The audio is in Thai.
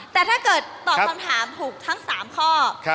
แต่ถ้าเกิดตอบคำถามถูกทั้ง๓ข้อ